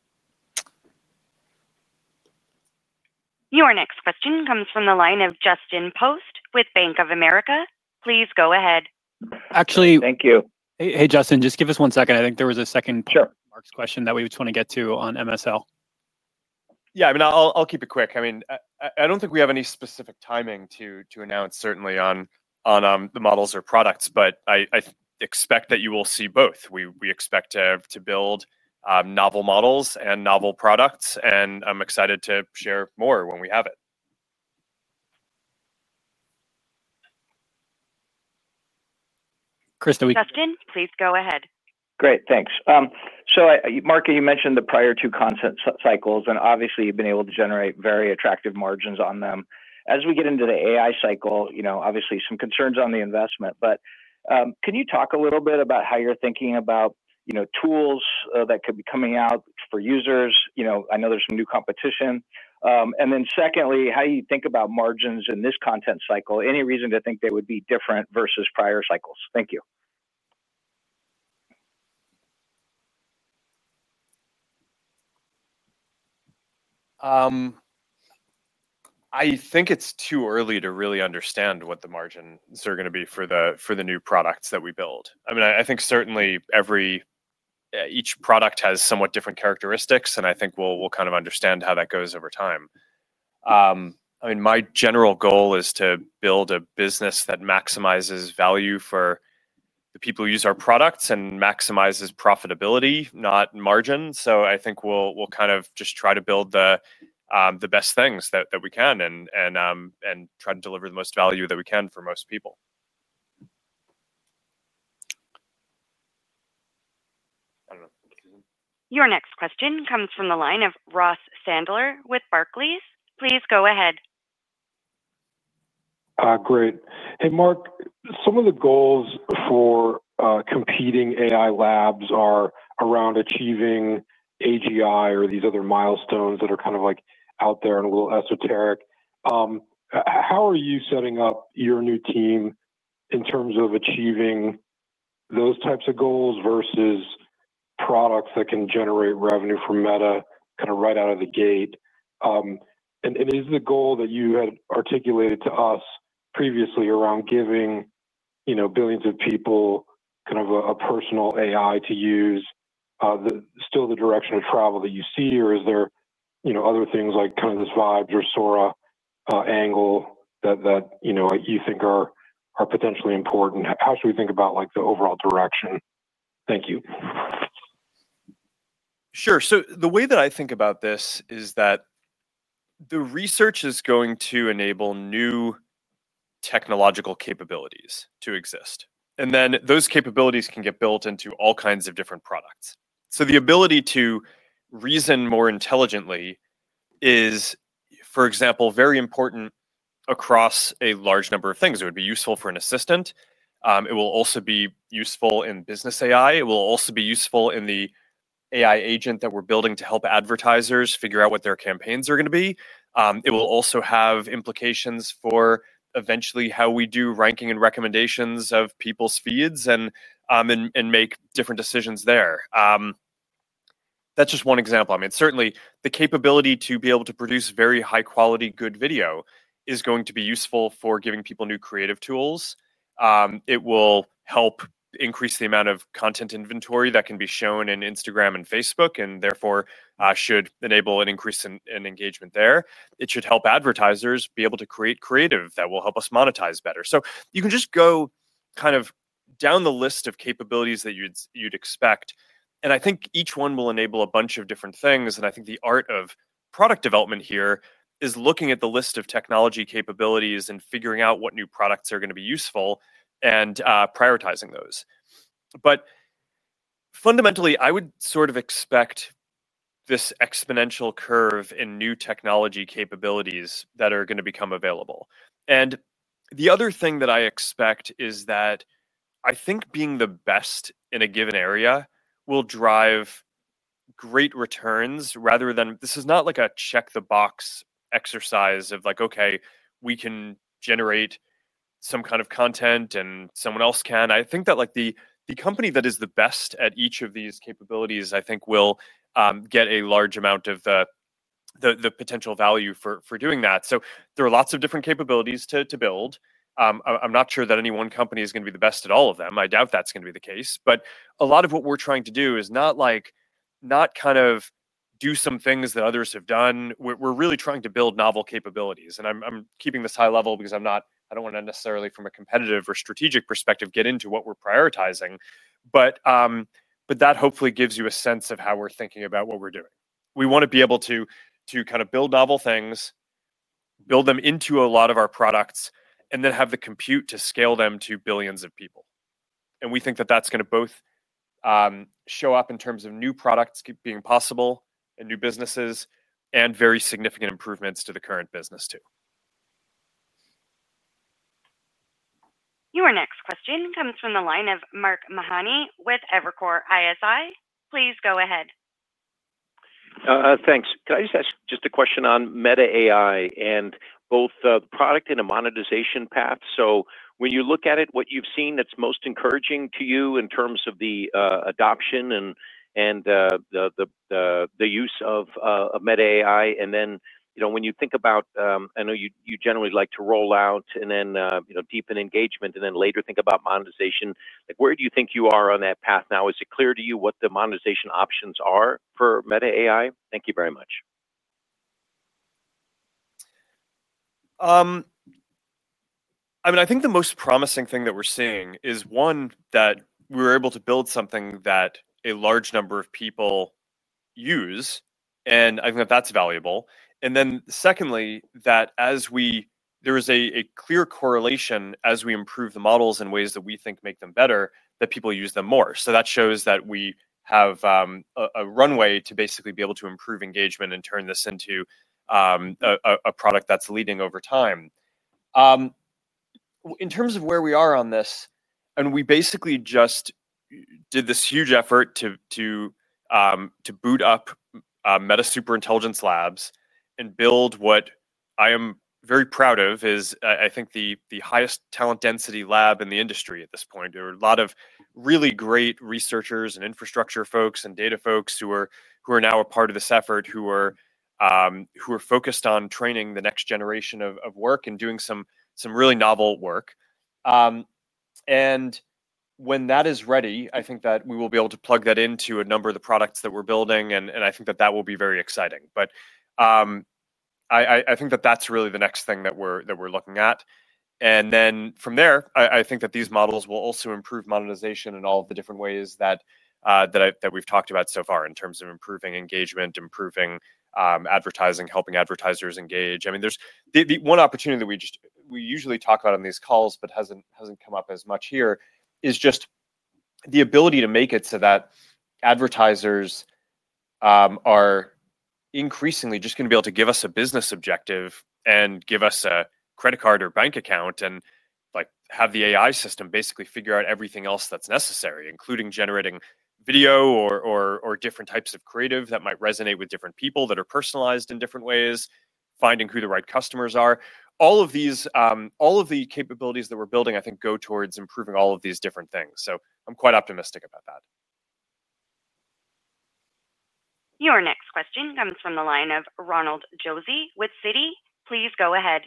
Your next question comes from the line of Justin Post with Bank of America. Please go ahead. Thank you. Hey, Justin, just give us one second. I think there was a second part of Mark's question that we just want to get to on MSL. I'll keep it quick. I don't think we have any specific timing to announce certainly on the models or products, but I expect that you will see both. We expect to build novel models and novel products, and I'm excited to share more when we have it. Justin, please go ahead. Great, thanks. Mark, you mentioned the prior two content cycles, and obviously, you've been able to generate very attractive margins on them. As we get into the AI cycle, obviously, some concerns on the investment. Can you talk a little bit about how you're thinking about tools that could be coming out for users? I know there's some new competition. Secondly, how do you think about margins in this content cycle? Any reason to think they would be different versus prior cycles? Thank you. I think it's too early to really understand what the margins are going to be for the new products that we build. I think certainly each product has somewhat different characteristics, and I think we'll kind of understand how that goes over time. My general goal is to build a business that maximizes value for the people who use our products and maximizes profitability, not margins. I think we'll kind of just try to build the best things that we can and try to deliver the most value that we can for most people. Your next question comes from the line of Ross Sandler with Barclays. Please go ahead. Great. Hey, Mark, some of the goals for competing AI labs are around achieving AGI or these other milestones that are kind of like out there and a little esoteric. How are you setting up your new team in terms of achieving those types of goals versus products that can generate revenue from Meta kind of right out of the gate? Is the goal that you had articulated to us previously around giving billions of people kind of a personal AI to use still the direction of travel that you see, or are there other things like kind of this Vibes or Sora angle that you think are potentially important? How should we think about the overall direction? Thank you. Sure. The way that I think about this is that the research is going to enable new technological capabilities to exist, and then those capabilities can get built into all kinds of different products. The ability to reason more intelligently is, for example, very important across a large number of things. It would be useful for an assistant. It will also be useful in business AI. It will also be useful in the AI agent that we're building to help advertisers figure out what their campaigns are going to be. It will also have implications for eventually how we do ranking and recommendations of people's feeds and make different decisions there. That's just one example. Certainly, the capability to be able to produce very high-quality, good video is going to be useful for giving people new creative tools. It will help increase the amount of content inventory that can be shown in Instagram and Facebook and therefore should enable an increase in engagement there. It should help advertisers be able to create creative that will help us monetize better. You can just go kind of down the list of capabilities that you'd expect. I think each one will enable a bunch of different things. I think the art of product development here is looking at the list of technology capabilities and figuring out what new products are going to be useful and prioritizing those. Fundamentally, I would sort of expect this exponential curve in new technology capabilities that are going to become available. The other thing that I expect is that I think being the best in a given area will drive great returns rather than this is not like a check-the-box exercise of like, OK, we can generate some kind of content and someone else can. I think that the company that is the best at each of these capabilities, I think, will get a large amount of the potential value for doing that. There are lots of different capabilities to build. I'm not sure that any one company is going to be the best at all of them. I doubt that's going to be the case. A lot of what we're trying to do is not like not kind of do some things that others have done. We're really trying to build novel capabilities. I'm keeping this high level because I don't want to necessarily, from a competitive or strategic perspective, get into what we're prioritizing. That hopefully gives you a sense of how we're thinking about what we're doing. We want to be able to kind of build novel things, build them into a lot of our products, and then have the compute to scale them to billions of people. We think that that's going to both show up in terms of new products being possible and new businesses and very significant improvements to the current business too. Your next question comes from the line of Mark Mahaney with Evercore ISI. Please go ahead. Thanks. Can I just ask a question on Meta AI and both the product and the monetization path? When you look at it, what you've seen that's most encouraging to you in terms of the adoption and the use of Meta AI, and then when you think about, I know you generally like to roll out and then deepen engagement and then later think about monetization, where do you think you are on that path now? Is it clear to you what the monetization options are for Meta AI? Thank you very much. I mean, I think the most promising thing that we're seeing is, one, that we were able to build something that a large number of people use. I think that that's valuable. Secondly, there is a clear correlation as we improve the models in ways that we think make them better, that people use them more. That shows that we have a runway to basically be able to improve engagement and turn this into a product that's leading over time. In terms of where we are on this, we basically just did this huge effort to boot up Meta Superintelligence Labs and build what I am very proud of. I think the highest talent density lab in the industry at this point. There are a lot of really great researchers and infrastructure folks and data folks who are now a part of this effort who are focused on training the next generation of work and doing some really novel work. When that is ready, I think that we will be able to plug that into a number of the products that we're building. I think that that will be very exciting. I think that that's really the next thing that we're looking at. From there, I think that these models will also improve monetization in all of the different ways that we've talked about so far in terms of improving engagement, improving advertising, helping advertisers engage. The one opportunity that we usually talk about on these calls but hasn't come up as much here is just the ability to make it so that advertisers are increasingly just going to be able to give us a business objective and give us a credit card or bank account and have the AI system basically figure out everything else that's necessary, including generating video or different types of creative that might resonate with different people that are personalized in different ways, finding who the right customers are. All of the capabilities that we're building, I think, go towards improving all of these different things. I'm quite optimistic about that. Your next question comes from the line of Ronald Josey with Citi. Please go ahead.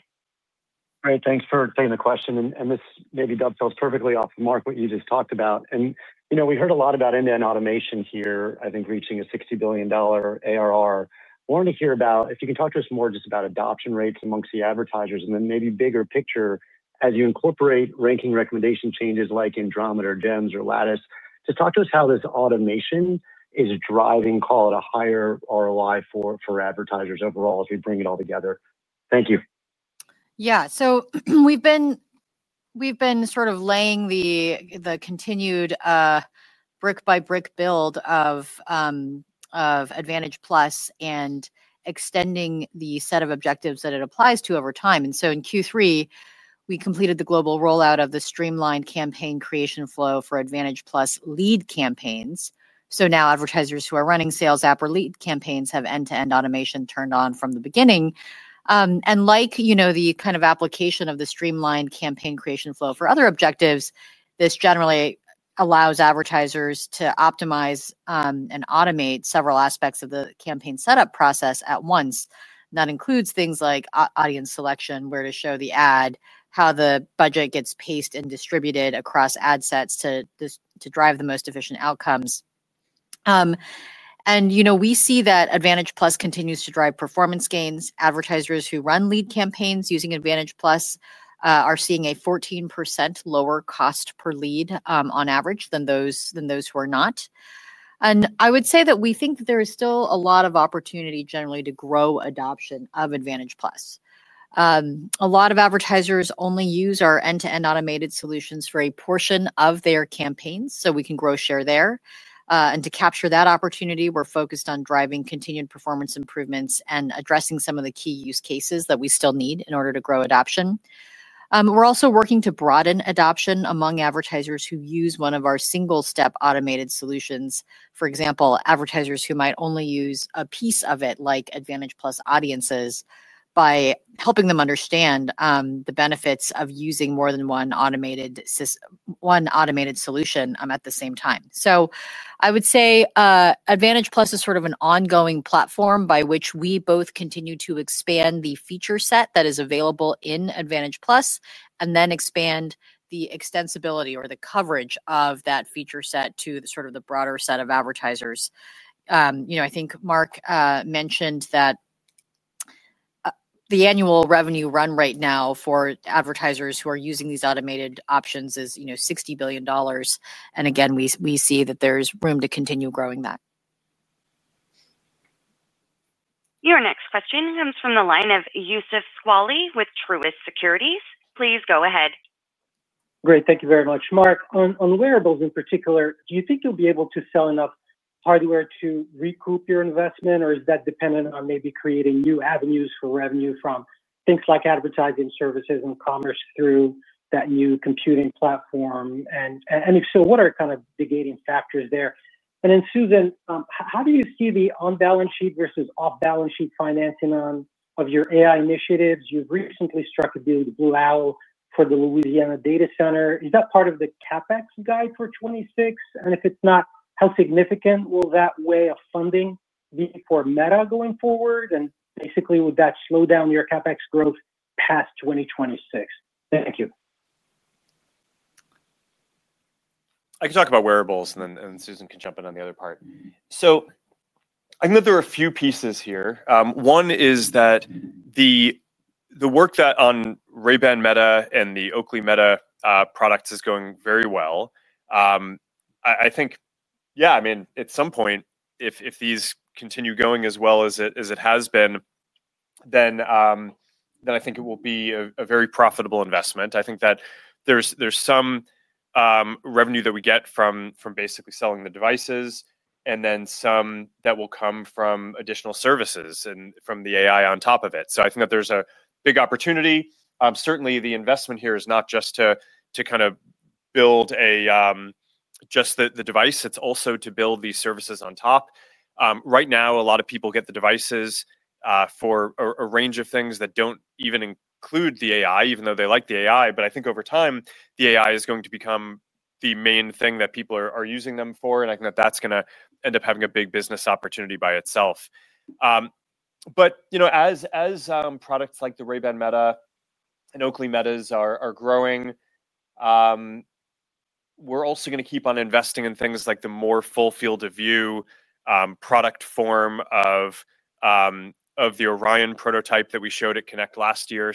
Great. Thanks for taking the question. This maybe dovetails perfectly off of Mark, what you just talked about. We heard a lot about end-to-end automation here, I think, reaching a $60 billion ARR. I wanted to hear about if you can talk to us more just about adoption rates amongst the advertisers and then maybe bigger picture as you incorporate ranking recommendation changes like Andromeda or GEMs or Lattice. Just talk to us how this automation is driving, call it, a higher ROI for advertisers overall if you bring it all together. Thank you. Yeah, we've been sort of laying the continued brick-by-brick build of Advantage+ and extending the set of objectives that it applies to over time. In Q3, we completed the global rollout of the streamlined campaign creation flow for Advantage+ lead campaigns. Now advertisers who are running sales app or lead campaigns have end-to-end automation turned on from the beginning. Like the kind of application of the streamlined campaign creation flow for other objectives, this generally allows advertisers to optimize and automate several aspects of the campaign setup process at once. That includes things like audience selection, where to show the ad, how the budget gets paced and distributed across ad sets to drive the most efficient outcomes. We see that Advantage+ continues to drive performance gains. Advertisers who run lead campaigns using Advantage+ are seeing a 14% lower cost per lead on average than those who are not. I would say that we think that there is still a lot of opportunity generally to grow adoption of Advantage+. A lot of advertisers only use our end-to-end automated solutions for a portion of their campaigns, so we can grow share there. To capture that opportunity, we're focused on driving continued performance improvements and addressing some of the key use cases that we still need in order to grow adoption. We're also working to broaden adoption among advertisers who use one of our single-step automated solutions, for example, advertisers who might only use a piece of it, like Advantage+ audiences, by helping them understand the benefits of using more than one automated solution at the same time. I would say Advantage+ is sort of an ongoing platform by which we both continue to expand the feature set that is available in Advantage+ and then expand the extensibility or the coverage of that feature set to the broader set of advertisers. I think Mark mentioned that the annual revenue run rate now for advertisers who are using these automated options is $60 billion. We see that there's room to continue growing that. Your next question comes from the line of Youssef Squali with Truist Securities. Please go ahead. Great. Thank you very much, Mark. On wearables in particular, do you think you'll be able to sell enough hardware to recoup your investment, or is that dependent on maybe creating new avenues for revenue from things like advertising services and commerce through that new computing platform? If so, what are kind of the gating factors there? Susan, how do you see the on-balance sheet versus off-balance sheet financing of your AI initiatives? You've recently struck a deal with Blue Owl for the Louisiana data center. Is that part of the CapEx guide for 2026? If it's not, how significant will that way of funding be for Meta going forward? Basically, would that slow down your CapEx growth past 2026? Thank you. I can talk about wearables, and then Susan can jump in on the other part. I think that there are a few pieces here. One is that the work on Ray-Ban Meta and the Oakley Meta products is going very well. I think, yeah, I mean, at some point, if these continue going as well as it has been, then I think it will be a very profitable investment. I think that there's some revenue that we get from basically selling the devices and then some that will come from additional services and from the AI on top of it. I think that there's a big opportunity. Certainly, the investment here is not just to kind of build just the device. It's also to build these services on top. Right now, a lot of people get the devices for a range of things that don't even include the AI, even though they like the AI. I think over time, the AI is going to become the main thing that people are using them for. I think that that's going to end up having a big business opportunity by itself. As products like the Ray-Ban Meta and Oakley Metas are growing, we're also going to keep on investing in things like the more full field of view product form of the Orion prototype that we showed at Connect last year.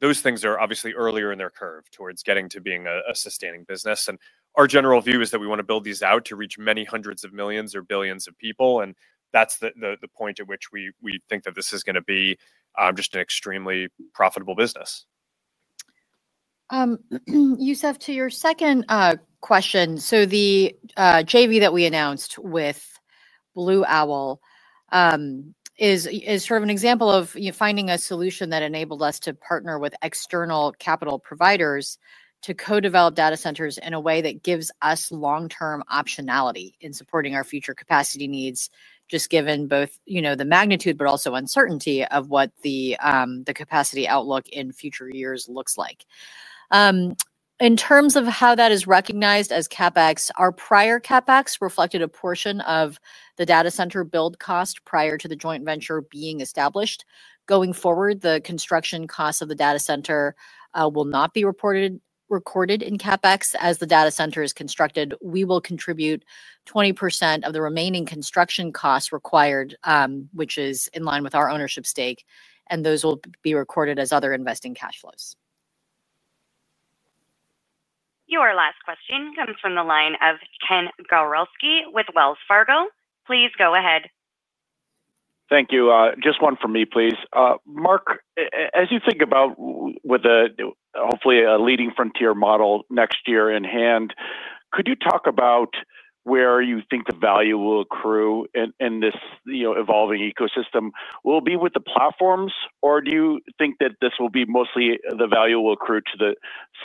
Those things are obviously earlier in their curve towards getting to being a sustaining business. Our general view is that we want to build these out to reach many hundreds of millions or billions of people. That's the point at which we think that this is going to be just an extremely profitable business. Youssef, to your second question, the JV that we announced with Blue Owl is sort of an example of finding a solution that enabled us to partner with external capital providers to co-develop data centers in a way that gives us long-term optionality in supporting our future capacity needs, just given both the magnitude but also uncertainty of what the capacity outlook in future years looks like. In terms of how that is recognized as CapEx, our prior CapEx reflected a portion of the data center build cost prior to the joint venture being established. Going forward, the construction costs of the data center will not be recorded in CapEx. As the data center is constructed, we will contribute 20% of the remaining construction costs required, which is in line with our ownership stake. Those will be recorded as other investing cash flows. Your last question comes from the line of Ken Gawrelski with Wells Fargo. Please go ahead. Thank you. Just one for me, please. Mark, as you think about with hopefully a leading frontier model next year in hand, could you talk about where you think the value will accrue in this evolving ecosystem? Will it be with the platforms, or do you think that this will be mostly the value will accrue to the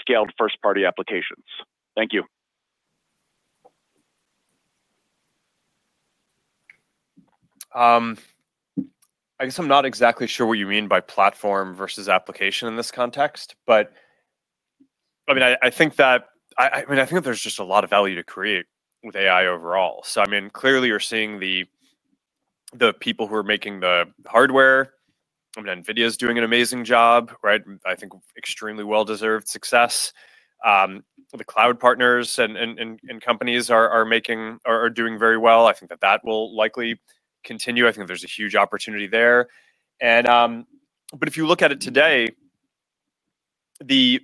scaled first-party applications? Thank you. I guess I'm not exactly sure what you mean by platform versus application in this context. I think that there's just a lot of value to create with AI overall. Clearly, you're seeing the people who are making the hardware, NVIDIA is doing an amazing job, right? I think extremely well-deserved success. The cloud partners and companies are doing very well. I think that will likely continue. I think that there's a huge opportunity there. If you look at it today, the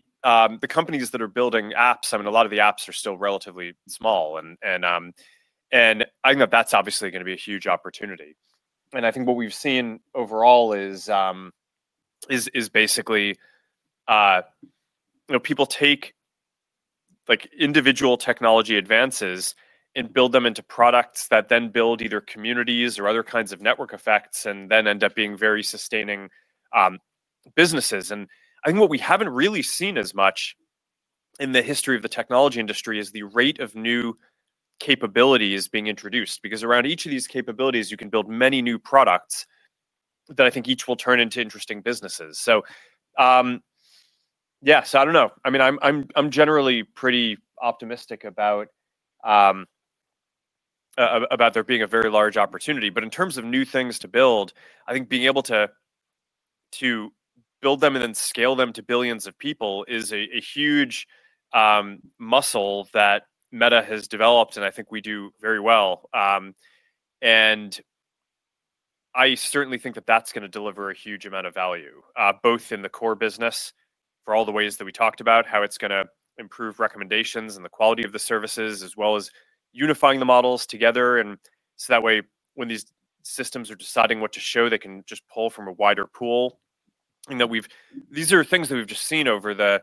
companies that are building apps, a lot of the apps are still relatively small. I think that's obviously going to be a huge opportunity. What we've seen overall is basically people take individual technology advances and build them into products that then build either communities or other kinds of network effects and then end up being very sustaining businesses. I think what we haven't really seen as much in the history of the technology industry is the rate of new capabilities being introduced because around each of these capabilities, you can build many new products that I think each will turn into interesting businesses. I don't know. I'm generally pretty optimistic about there being a very large opportunity. In terms of new things to build, I think being able to build them and then scale them to billions of people is a huge muscle that Meta has developed, and I think we do very well. I certainly think that's going to deliver a huge amount of value, both in the core business for all the ways that we talked about, how it's going to improve recommendations and the quality of the services, as well as unifying the models together. That way, when these systems are deciding what to show, they can just pull from a wider pool. These are things that we've just seen over the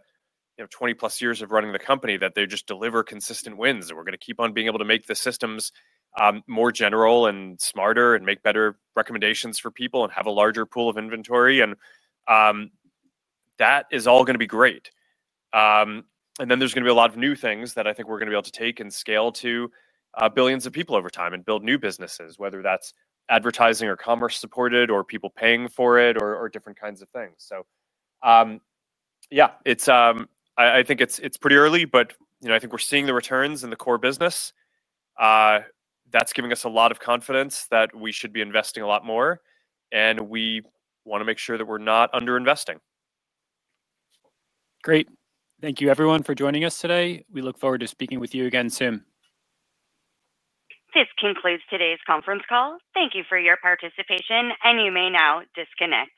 20+ years of running the company, that they just deliver consistent wins. We're going to keep on being able to make the systems more general and smarter and make better recommendations for people and have a larger pool of inventory. That is all going to be great. There's going to be a lot of new things that I think we're going to be able to take and scale to billions of people over time and build new businesses, whether that's advertising or commerce supported or people paying for it or different kinds of things. I think it's pretty early, but I think we're seeing the returns in the core business. That's giving us a lot of confidence that we should be investing a lot more, and we want to make sure that we're not underinvesting. Great. Thank you, everyone, for joining us today. We look forward to speaking with you again soon. This concludes today's conference call. Thank you for your participation, and you may now disconnect.